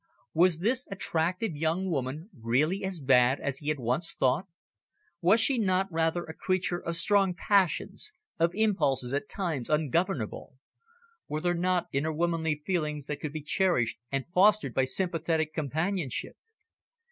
Was this attractive young woman really as bad as he had once thought? Was she not rather a creature of strong passions, of impulses at times ungovernable? Were there not in her womanly feelings that could be cherished and fostered by sympathetic companionship?